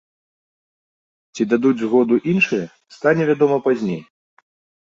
Ці дадуць згоду іншыя, стане вядома пазней.